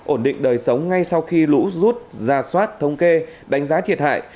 ổn định đời sống ngay sau khi lũ rút ra soát thống kê đánh giá thiệt hại